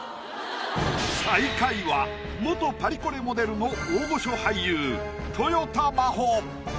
最下位は元パリコレモデルの大御所俳優とよた真帆。